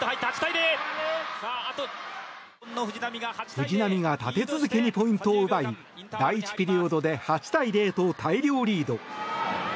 藤波が立て続けにポイントを奪い第１ピリオドで８対０と大量リード。